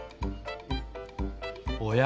おや？